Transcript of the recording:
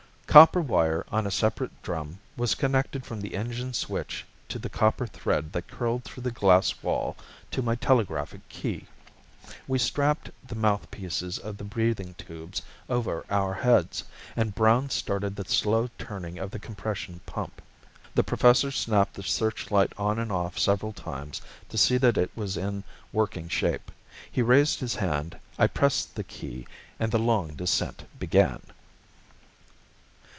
Copper wire, on a separate drum, was connected from the engine switch to the copper thread that curled through the glass wall to my telegraphic key. We strapped the mouthpieces of the breathing tubes over our heads, and Browne started the slow turning of the compression pump. The Professor snapped the searchlight on and off several times to see that it was in working shape. He raised his hand, I pressed the key, and the long descent began.